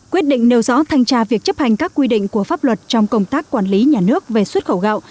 quyết định nêu rõ thanh tra việc chấp hành các quy định của pháp luật trong công tác quản lý nhà nước về xuất khẩu gạo